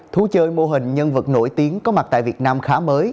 thú chơi mô hình nhân vật nổi tiếng có mặt tại việt nam khá mới